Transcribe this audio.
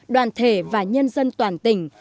đoàn thể và nhân dân toàn tỉnh